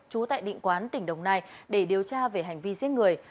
trú tại định quán tỉnh đồng nai để điều tra về hành vi giết người